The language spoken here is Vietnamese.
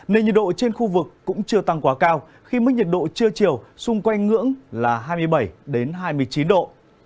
nên nhiệt độ trên khu vực cũng chưa tăng quá cao khi mức nhiệt độ trưa chiều xung quanh ngưỡng là hai mươi bảy hai mươi chín độ